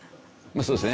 そうですね。